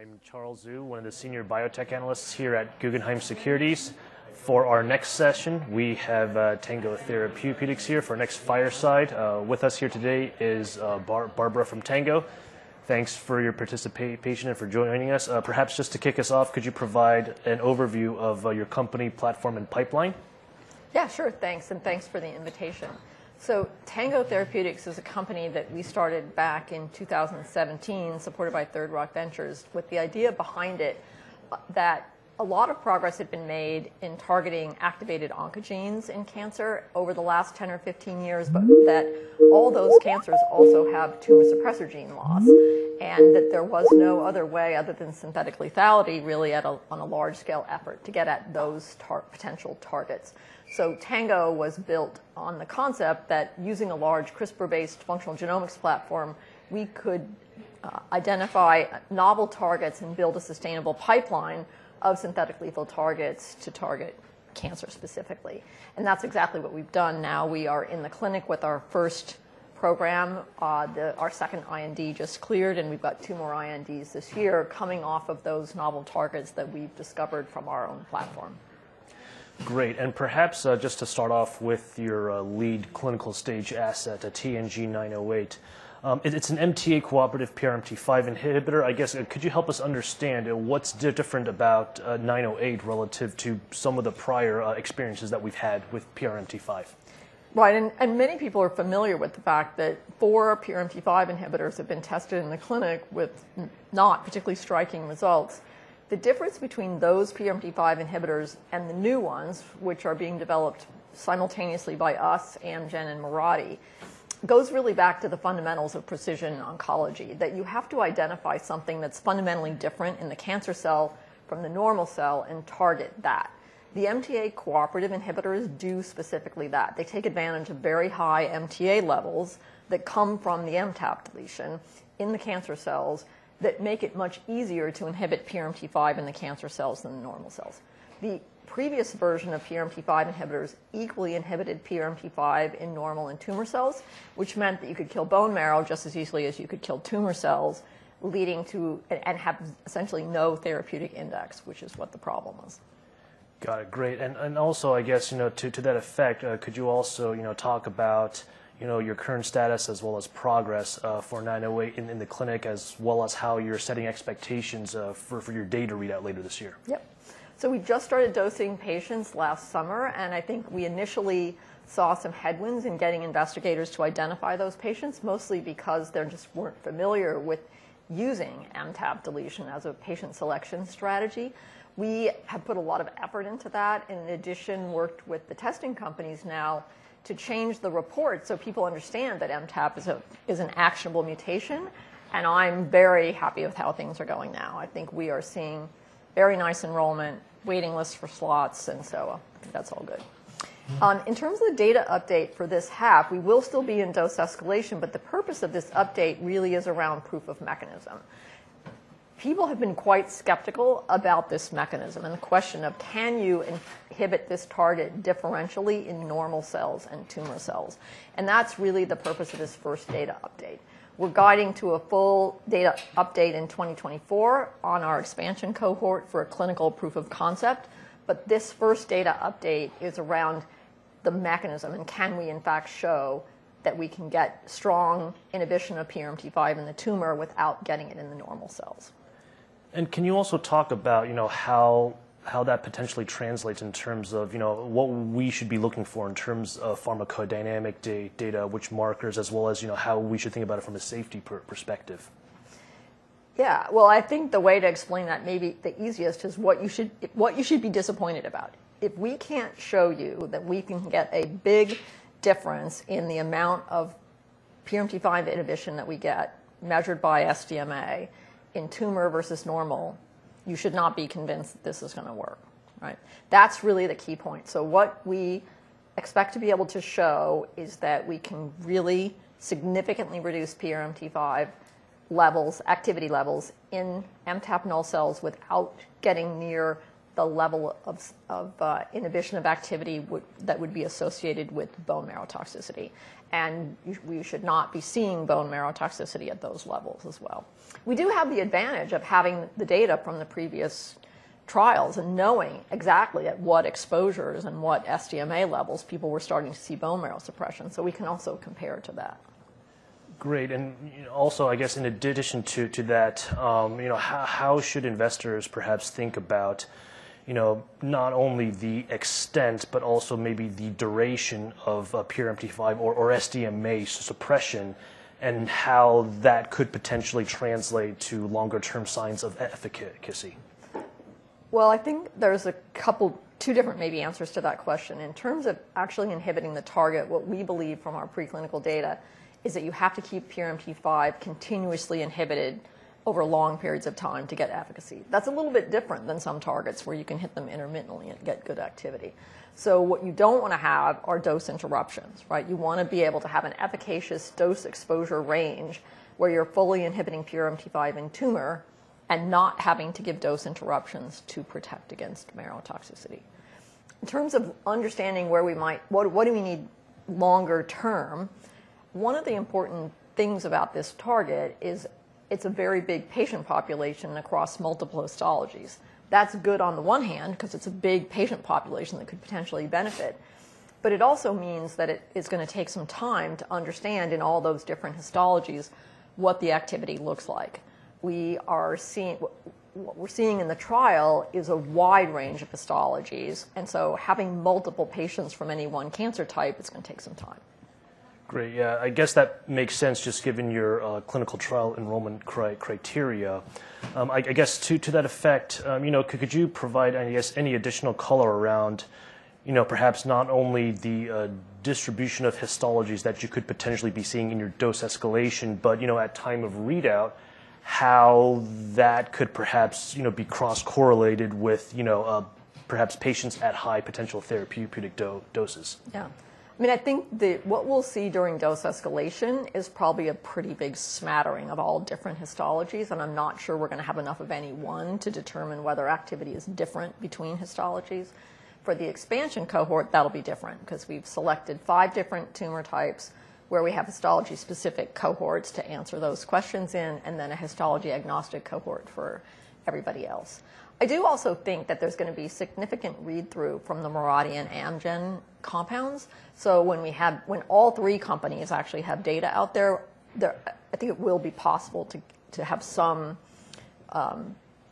I'm Charles Zhu, one of the senior biotech analyst here at Guggenheim Securities. For our next session, we have Tango Therapeutics here for our next fireside. With us here today is Barbara Weber from Tango. Thanks for your participation and for joining us. Perhaps just to kick us off, could you provide an overview of your company platform and pipeline? Yeah, sure. Thanks, and thanks for the invitation. Tango Therapeutics is a company that we started back in 2017, supported by Third Rock Ventures, with the idea behind it that a lot of progress had been made in targeting activated oncogenes in cancer over the last 10 or 15 years, but that all those cancers also have tumor suppressor gene loss, and that there was no other way other than synthetic lethality, really on a large-scale effort to get at those potential targets. Tango was built on the concept that using a large CRISPR-based functional genomics platform, we could identify novel targets and build a sustainable pipeline of synthetic lethal targets to target cancer specifically. That's exactly what we've done. Now we are in the clinic with our first program. Our second IND just cleared. We've got two more INDs this year coming off of those novel targets that we've discovered from our own platform. Great. Perhaps, just to start off with your lead clinical stage asset, TNG908. It's an MTA-cooperative PRMT5 inhibitor. I guess, could you help us understand what's different about 908 relative to some of the prior experiences that we've had with PRMT5? Right. And many people are familiar with the fact that four PRMT5 inhibitors have been tested in the clinic with not particularly striking results. The difference between those PRMT5 inhibitors and the new ones, which are being developed simultaneously by us, Amgen, and Mirati, goes really back to the fundamentals of precision oncology, that you have to identify something that's fundamentally different in the cancer cell from the normal cell and target that. The MTA-cooperative inhibitors do specifically that. They take advantage of very high MTA levels that come from the MTAP deletion in the cancer cells that make it much easier to inhibit PRMT5 in the cancer cells than the normal cells. The previous version of PRMT5 inhibitors equally inhibited PRMT5 in normal and tumor cells, which meant that you could kill bone marrow just as easily as you could kill tumor cells, leading to... have essentially no therapeutic index, which is what the problem was. Got it. Great. Also, I guess, you know, to that effect, could you also, you know, talk about, you know, your current status as well as progress for TNG908 in the clinic, as well as how you're setting expectations for your data readout later this year? Yep. We just started dosing patients last summer, I think we initially saw some headwinds in getting investigators to identify those patients, mostly because they're just weren't familiar with using MTAP deletion as a patient selection strategy. We have put a lot of effort into that, in addition, worked with the testing companies now to change the report so people understand that MTAP is an actionable mutation, I'm very happy with how things are going now. I think we are seeing very nice enrollment, waiting lists for slots, I think that's all good. Mm-hmm. In terms of the data update for this half, we will still be in dose escalation, but the purpose of this update really is around proof of mechanism. People have been quite skeptical about this mechanism and the question of can you inhibit this target differentially in normal cells and tumor cells? That's really the purpose of this first data update. We're guiding to a full data update in 2024 on our expansion cohort for a clinical proof of concept, but this first data update is around the mechanism and can we in fact show that we can get strong inhibition of PRMT5 in the tumor without getting it in the normal cells. Can you also talk about, you know, how that potentially translates in terms of, you know, what we should be looking for in terms of pharmacodynamic data, which markers, as well as, you know, how we should think about it from a safety perspective? Well, I think the way to explain that maybe the easiest is what you should be disappointed about. If we can't show you that we can get a big difference in the amount of PRMT5 inhibition that we get measured by SDMA in tumor versus normal, you should not be convinced that this is gonna work, right? That's really the key point. What we expect to be able to show is that we can really significantly reduce PRMT5 levels, activity levels in MTAP null cells without getting near the level of inhibition of activity that would be associated with bone marrow toxicity, and we should not be seeing bone marrow toxicity at those levels as well. We do have the advantage of having the data from the previous trials and knowing exactly at what exposures and what SDMA levels people were starting to see bone marrow suppression. We can also compare to that. Great. You know, also, I guess in addition to that, you know, how should investors perhaps think about, you know, not only the extent, but also maybe the duration of PRMT5 or SDMA suppression, and how that could potentially translate to longer term signs of efficacy? Well, I think there's two different maybe answers to that question. In terms of actually inhibiting the target, what we believe from our preclinical data is that you have to keep PRMT5 continuously inhibited over long periods of time to get efficacy. That's a little bit different than some targets where you can hit them intermittently and get good activity. What you don't wanna have are dose interruptions, right? You wanna be able to have an efficacious dose exposure range where you're fully inhibiting PRMT5 in tumor and not having to give dose interruptions to protect against marrow toxicity. In terms of understanding what do we need longer term, one of the important things about this target is it's a very big patient population across multiple histologies. That's good on the one hand 'cause it's a big patient population that could potentially benefit. It also means that it is gonna take some time to understand in all those different histologies what the activity looks like. What we're seeing in the trial is a wide range of histologies. Having multiple patients from any one cancer type, it's gonna take some time. Great. Yeah. I guess that makes sense just given your clinical trial enrollment criteria. I guess to that effect, you know, could you provide, I guess, any additional color around, you know, perhaps not only the distribution of histologies that you could potentially be seeing in your dose escalation, but, you know, at time of readout, how that could perhaps, you know, be cross-correlated with, you know, perhaps patients at high potential therapeutic doses? I mean, I think what we'll see during dose escalation is probably a pretty big smattering of all different histologies, and I'm not sure we're gonna have enough of any one to determine whether activity is different between histologies. For the expansion cohort, that'll be different 'cause we've selected five different tumor types where we have histology-specific cohorts to answer those questions in and then a histology-agnostic cohort for everybody else. I do also think that there's gonna be significant read-through from the Mirati and Amgen compounds. When all three companies actually have data out there, I think it will be possible to have some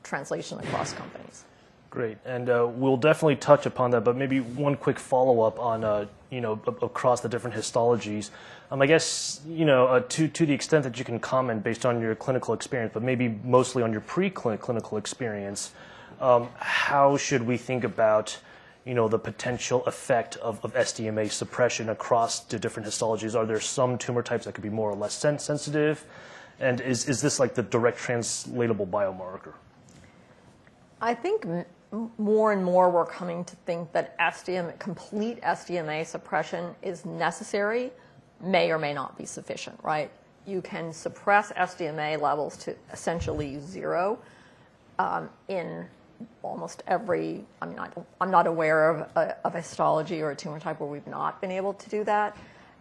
translation across companies. Great. We'll definitely touch upon that, but maybe one quick follow-up on, you know, across the different histologies. I guess, you know, to the extent that you can comment based on your clinical experience, but maybe mostly on your preclinical experience, how should we think about, you know, the potential effect of SDMA suppression across the different histologies? Are there some tumor types that could be more or less sensitive? Is this like the direct translatable biomarker? I think more and more we're coming to think that complete SDMA suppression is necessary, may or may not be sufficient, right? You can suppress SDMA levels to essentially zero. I mean, I'm not aware of histology or a tumor type where we've not been able to do that.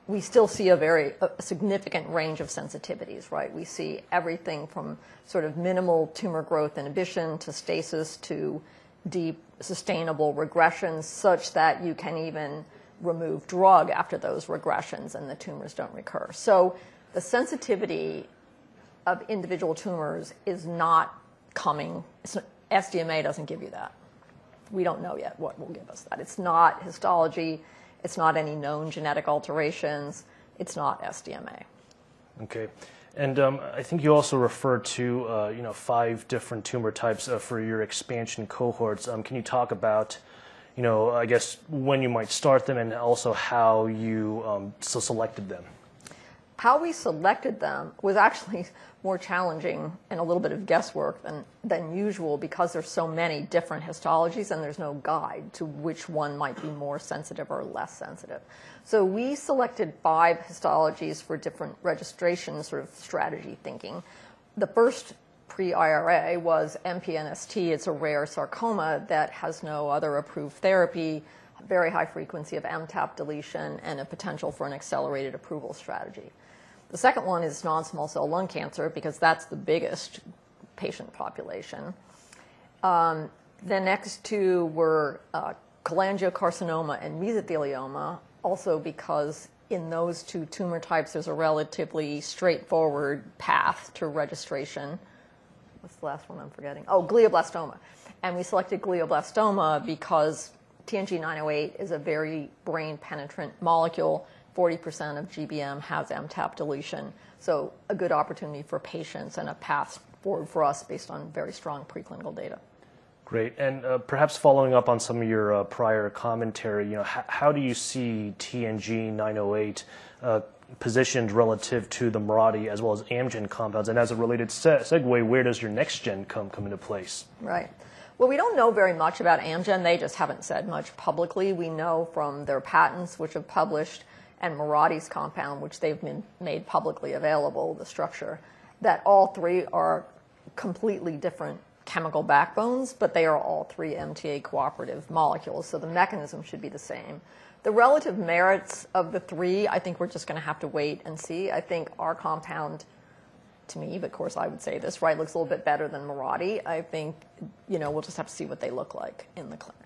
We still see a very significant range of sensitivities, right? We see everything from sort of minimal tumor growth inhibition to stasis to deep sustainable regressions such that you can even remove drug after those regressions and the tumors don't recur. The sensitivity of individual tumors is not coming. SDMA doesn't give you that. We don't know yet what will give us that. It's not histology. It's not any known genetic alterations. It's not SDMA. Okay. I think you also referred to, you know, five different tumor types, for your expansion cohorts. Can you talk about, you know, I guess, when you might start them and also how you selected them? How we selected them was actually more challenging and a little bit of guesswork than usual because there's so many different histologies and there's no guide to which one might be more sensitive or less sensitive. We selected five histologies for different registration sort of strategy thinking. The first pre-IND was MPNST. It's a rare sarcoma that has no other approved therapy, very high frequency of MTAP deletion, and a potential for an accelerated approval strategy. The second one is non-small cell lung cancer because that's the biggest patient population. The next two were cholangiocarcinoma and mesothelioma also because in those two tumor types, there's a relatively straightforward path to registration. What's the last one I'm forgetting? Glioblastoma. We selected glioblastoma because TNG908 is a very brain-penetrant molecule. 40% of GBM has MTAP deletion, a good opportunity for patients and a path for us based on very strong preclinical data. Great. Perhaps following up on some of your prior commentary, you know, how do you see TNG908, positioned relative to the Mirati as well as Amgen compounds? As a related segway, where does your next gen come into place? Well, we don't know very much about Amgen. They just haven't said much publicly. We know from their patents which have published and Mirati's compound, which they've been made publicly available, the structure, that all three are completely different chemical backbones, but they are all three MTA-cooperative molecules, so the mechanism should be the same. The relative merits of the three, I think we're just gonna have to wait and see. I think our compound, to me, but of course, I would say this, right, looks a little bit better than Mirati. I think, you know, we'll just have to see what they look like in the clinic.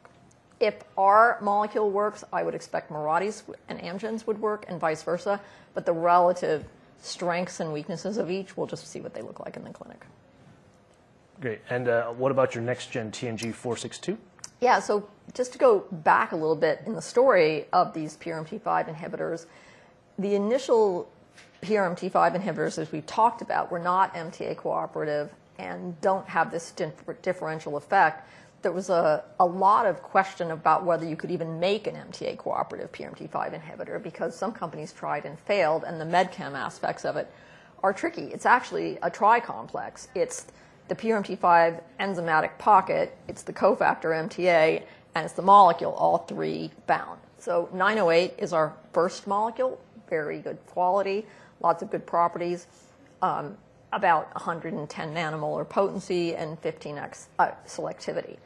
If our molecule works, I would expect Mirati's and Amgen's would work and vice versa, but the relative strengths and weaknesses of each, we'll just see what they look like in the clinic. Great. What about your next gen TNG462? Yeah. Just to go back a little bit in the story of these PRMT5 inhibitors, the initial PRMT5 inhibitors, as we've talked about, were not MTA-cooperative and don't have this differential effect. There was a lot of question about whether you could even make an MTA-cooperative PRMT5 inhibitor because some companies tried and failed, the med chem aspects of it are tricky. It's actually a tri-complex. It's the PRMT5 enzymatic pocket, it's the cofactor MTA, it's the molecule, all three bound. 908 is our first molecule, very good quality, lots of good properties. About 110 nanomolar potency 15x selectivity.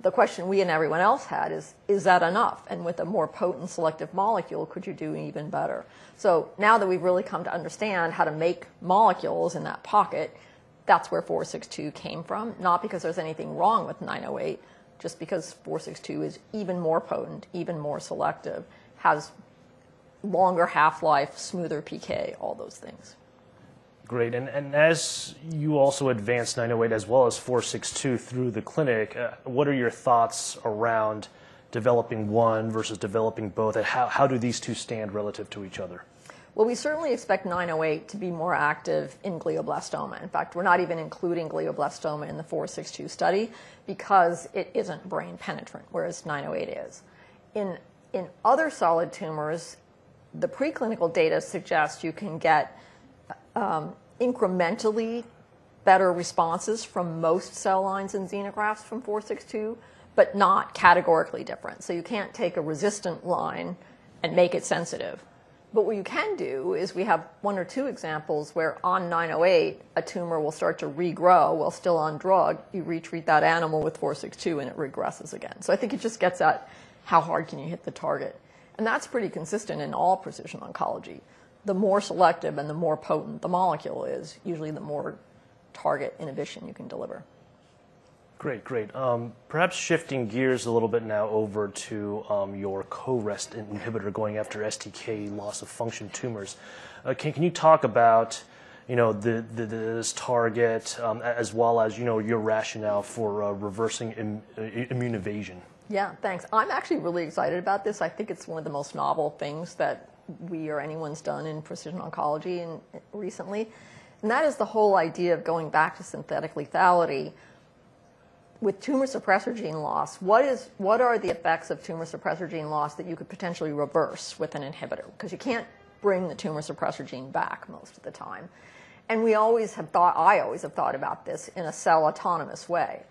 The question we and everyone else had is that enough? With a more potent selective molecule, could you do even better? Now that we've really come to understand how to make molecules in that pocket, that's where TNG462 came from, not because there's anything wrong with TNG908, just because TNG462 is even more potent, even more selective, has longer half-life, smoother PK, all those things. Great. As you also advanced 908 as well as 462 through the clinic, what are your thoughts around developing one versus developing both? How do these two stand relative to each other? We certainly expect 908 to be more active in glioblastoma. In fact, we're not even including glioblastoma in the 462 study because it isn't brain penetrant, whereas 908 is. In other solid tumors, the preclinical data suggests you can get incrementally better responses from most cell lines and xenografts from 462, but not categorically different. You can't take a resistant line and make it sensitive. What you can do is we have one or two examples where on 908 a tumor will start to regrow while still on drug. You retreat that animal with 462, and it regresses again. I think it just gets at how hard can you hit the target. That's pretty consistent in all precision oncology. The more selective and the more potent the molecule is, usually the more target inhibition you can deliver. Great. Great. Perhaps shifting gears a little bit now over to your CoREST inhibitor going after STK loss of function tumors. Can you talk about, you know, this target, as well as, you know, your rationale for reversing immune evasion? Yeah. Thanks. I'm actually really excited about this. I think it's one of the most novel things that we or anyone's done in precision oncology recently. That is the whole idea of going back to synthetic lethality. With tumor suppressor gene loss, what are the effects of tumor suppressor gene loss that you could potentially reverse with an inhibitor? Because you can't bring the tumor suppressor gene back most of the time. We always have thought about this in a cell-autonomous way.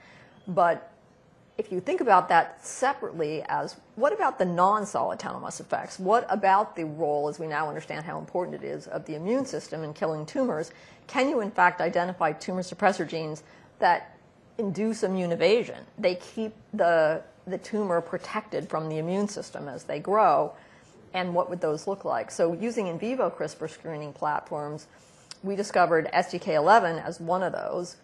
If you think about that separately as what about the non-cell autonomous effects, what about the role, as we now understand how important it is, of the immune system in killing tumors, can you in fact identify tumor suppressor genes that induce immune evasion? They keep the tumor protected from the immune system as they grow. What would those look like? Using in vivo CRISPR screening platforms, we discovered STK11 as one of those.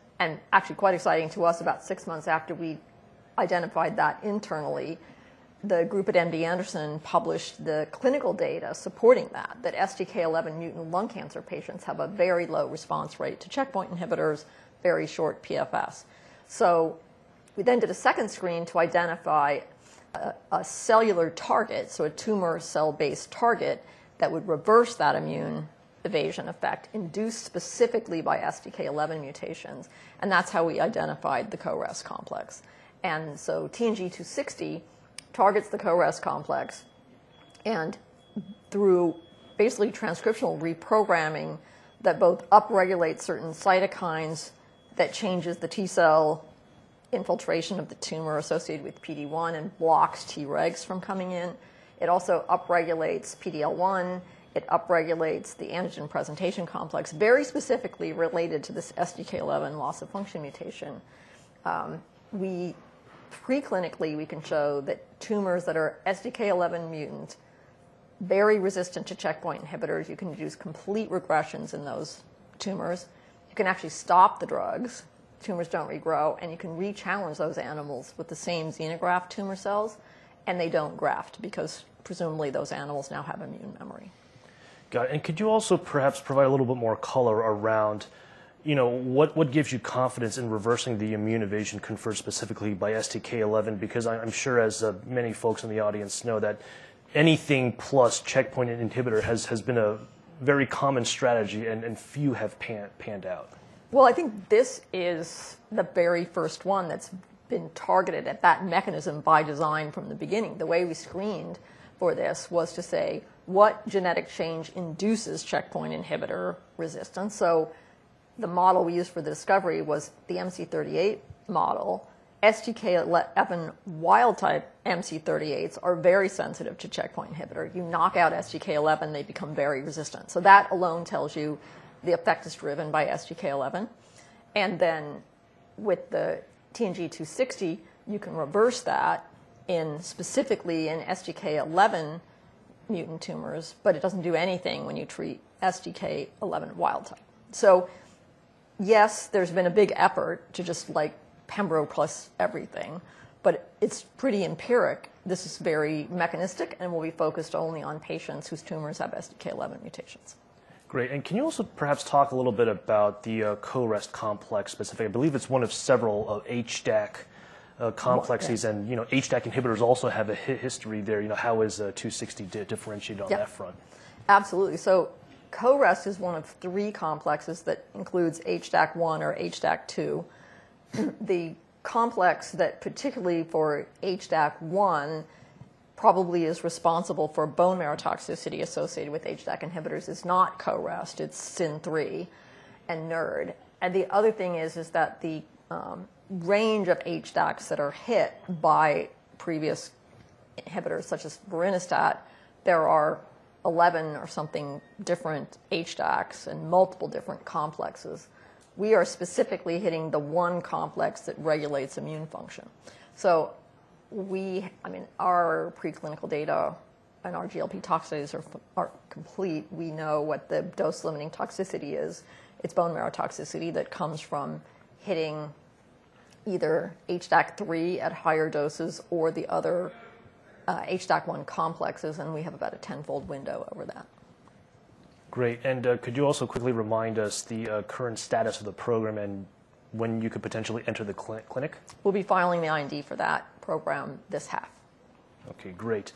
Actually, quite exciting to us, about six months after we identified that internally, the group at MD Anderson published the clinical data supporting that STK11-mutant lung cancer patients have a very low response rate to checkpoint inhibitors, very short PFS. We then did a second screen to identify a cellular target, so a tumor cell-based target that would reverse that immune evasion effect induced specifically by STK11 mutations. That's how we identified the CoREST complex. TNG 260 targets the CoREST complex, and through basically transcriptional reprogramming that both upregulates certain cytokines that changes the T cell infiltration of the tumor associated with PD-1 and blocks Tregs from coming in. It also upregulates PD-L1. It upregulates the antigen presentation complex very specifically related to this STK11 loss of function mutation. Preclinically, we can show that tumors that are STK11 mutant, very resistant to checkpoint inhibitors. You can induce complete regressions in those tumors. You can actually stop the drugs. Tumors don't regrow, and you can re-challenge those animals with the same xenograft tumor cells, and they don't graft because presumably those animals now have immune memory. Got it. Could you also perhaps provide a little bit more color around, you know, what gives you confidence in reversing the immune evasion conferred specifically by STK11? Because I'm sure as many folks in the audience know that anything plus checkpoint inhibitor has been a very common strategy and few have panned out. I think this is the very first one that's been targeted at that mechanism by design from the beginning. The way we screened for this was to say what genetic change induces checkpoint inhibitor resistance. The model we used for the discovery was the MC38 model. STK11 wild type MC38s are very sensitive to checkpoint inhibitor. You knock out STK11, they become very resistant. That alone tells you the effect is driven by STK11. With the TNG260, you can reverse that in specifically in STK11 mutant tumors, but it doesn't do anything when you treat STK11 wild type. Yes, there's been a big effort to just like pembro plus everything, but it's pretty empiric. This is very mechanistic and will be focused only on patients whose tumors have STK11 mutations. Great. Can you also perhaps talk a little bit about the CoREST complex specifically? I believe it's one of several HDAC complexes. Okay. you know, HDAC inhibitors also have a history there. You know, how is 260 differentiated on that front? Yep. Absolutely. CoREST is one of three complexes that includes HDAC1 or HDAC2. The complex that particularly for HDAC1 probably is responsible for bone marrow toxicity associated with HDAC inhibitors is not CoREST, it's Sin3 and NuRD. The other thing is that the range of HDACs that are hit by previous inhibitors such as vorinostat, there are 11 or something different HDACs and multiple different complexes. We are specifically hitting the one complex that regulates immune function. I mean, our preclinical data and our GLP tox studies are complete. We know what the dose-limiting toxicity is. It's bone marrow toxicity that comes from hitting either HDAC3 at higher doses or the other HDAC1 complexes, and we have about a 10-fold window over that. Great. Could you also quickly remind us the current status of the program and when you could potentially enter the clinic? We'll be filing the IND for that program this half. Okay, great.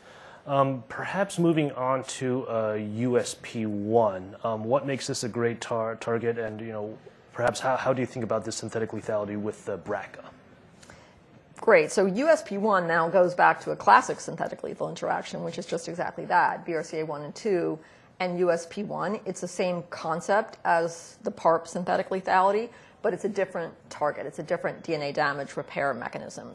Perhaps moving on to USP1. What makes this a great target and, you know, perhaps how do you think about the synthetic lethality with the BRCA? Great. USP1 now goes back to a classic synthetic lethal interaction, which is just exactly that, BRCA1 and 2 and USP1. It's the same concept as the PARP synthetic lethality, but it's a different target. It's a different DNA damage repair mechanism.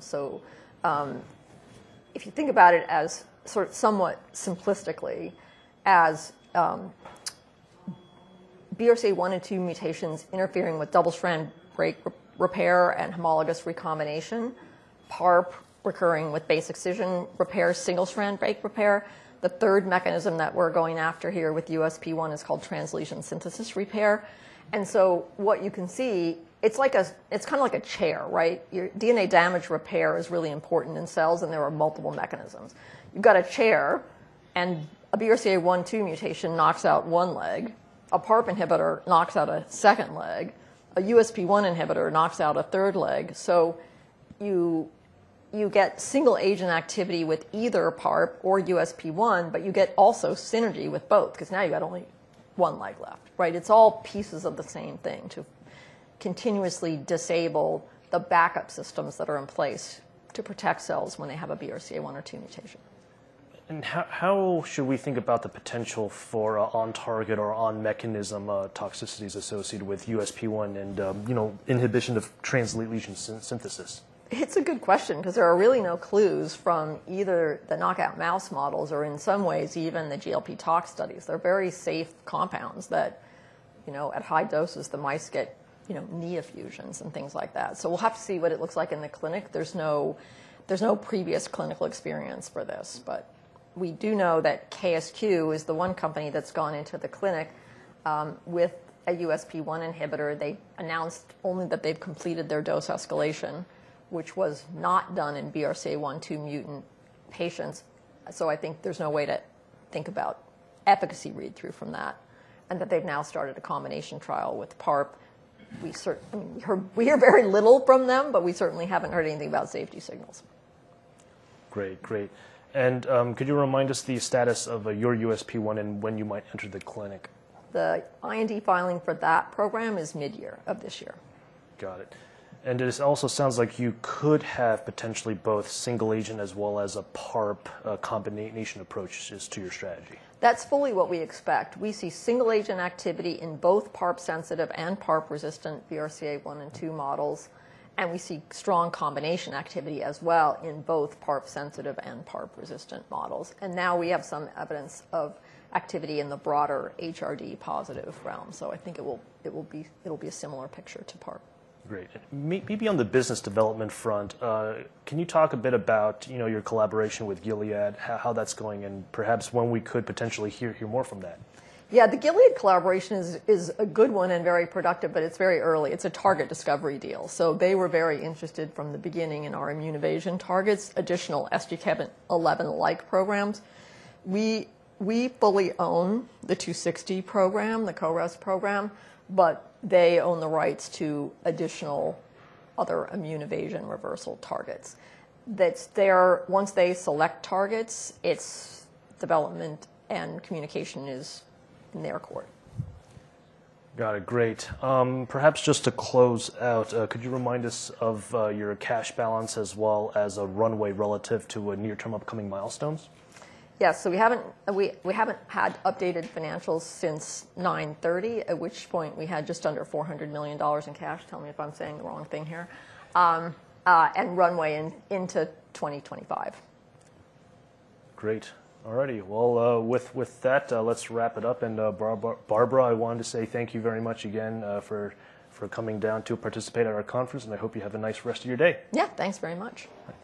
If you think about it as sort of somewhat simplistically as BRCA1 and 2 mutations interfering with double-strand break repair and homologous recombination, PARP recurring with base excision repair, single-strand break repair. The third mechanism that we're going after here with USP1 is called translesion synthesis repair. What you can see, it's like a kind of like a chair, right? Your DNA damage repair is really important in cells, and there are multiple mechanisms. You've got a chair, and a BRCA1/2 mutation knocks out one leg. A PARP inhibitor knocks out a second leg. A USP1 inhibitor knocks out a third leg. You get single agent activity with either PARP or USP1, but you get also synergy with both 'cause now you got only one leg left, right? It's all pieces of the same thing to continuously disable the backup systems that are in place to protect cells when they have a BRCA1/2 mutation. How should we think about the potential for on target or on mechanism toxicities associated with USP1 and, you know, inhibition of translesion synthesis? It's a good question 'cause there are really no clues from either the knockout mouse models or in some ways even the GLP tox studies. They're very safe compounds that, you know, at high doses the mice get, you know, knee effusions and things like that. We'll have to see what it looks like in the clinic. There's no previous clinical experience for this. We do know that KSQ is the one company that's gone into the clinic with a USP1 inhibitor. They announced only that they've completed their dose escalation, which was not done in BRCA1/2 mutant patients. I think there's no way to think about efficacy read-through from that, and that they've now started a combination trial with PARP. I mean, we hear very little from them, but we certainly haven't heard anything about safety signals. Great. Great. Could you remind us the status of your USP1 and when you might enter the clinic? The IND filing for that program is midyear of this year. Got it. This also sounds like you could have potentially both single agent as well as a PARP combination approaches to your strategy. That's fully what we expect. We see single agent activity in both PARP-sensitive and PARP-resistant BRCA1 and 2 models. We see strong combination activity as well in both PARP-sensitive and PARP-resistant models. Now we have some evidence of activity in the broader HRD positive realm. I think it'll be a similar picture to PARP. Great. Maybe on the business development front, can you talk a bit about, you know, your collaboration with Gilead, how that's going, and perhaps when we could potentially hear more from that? Yeah. The Gilead collaboration is a good one and very productive, it's very early. It's a target discovery deal, they were very interested from the beginning in our immune evasion targets, additional STK11-like programs. We fully own the 260 program, the CoREST program, they own the rights to additional other immune evasion reversal targets. That's their... Once they select targets, it's development and communication is in their court. Got it. Great. Perhaps just to close out, could you remind us of your cash balance as well as a runway relative to near-term upcoming milestones? Yeah. We haven't had updated financials since 9/30, at which point we had just under $400 million in cash. Tell me if I'm saying the wrong thing here. Runway into 2025. Great. All righty. Well, with that, let's wrap it up. Barbara, I wanted to say thank you very much again for coming down to participate at our conference, and I hope you have a nice rest of your day. Yeah. Thanks very much. Oh.